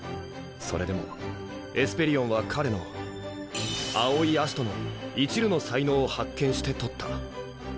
それでもエスペリオンは彼の青井葦人のいちるの才能を発見して獲った。